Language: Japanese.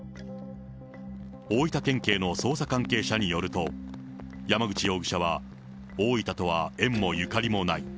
大分県警の捜査関係者によると、山口容疑者は、大分とは縁もゆかりもない。